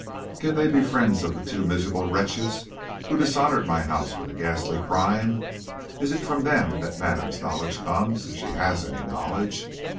Can they be friends of the two miserable wretches who dishonored my house with a ghastly crime? Is it from them that madame's knowledge comes, if she has any knowledge?